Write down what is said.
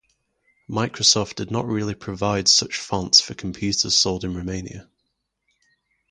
Microsoft did not really provide such fonts for computers sold in Romania.